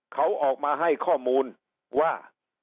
เขาออกมาให้ข้อมูลว่า